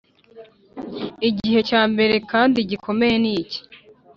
igihe cyambere kandi gikomeye ni iki